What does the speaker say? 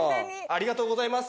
ありがとうございます。